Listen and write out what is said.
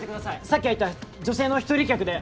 さっき入った女性の１人客で。